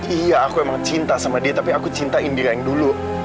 iya aku emang cinta sama dia tapi aku cinta indira yang dulu